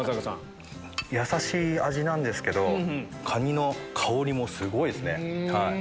やさしい味なんですけどカニの香りもすごいですね。